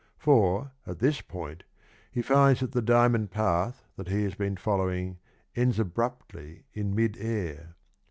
For, at this point, he finds that the diamond path that he has been following ends abruptly in mid air.